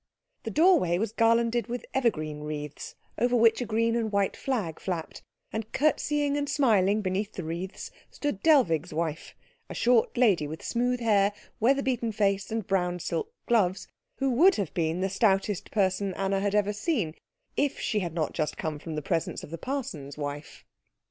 The doorway was garlanded with evergreen wreaths, over which a green and white flag flapped; and curtseying and smiling beneath the wreaths stood Dellwig's wife, a short lady with smooth hair, weather beaten face, and brown silk gloves, who would have been the stoutest person Anna had ever seen if she had not just come from the presence of the parson's wife.